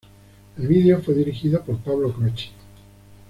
El vídeo fue dirigido por Pablo Croce.